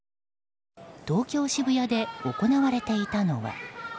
東京・渋谷で行われていたのは。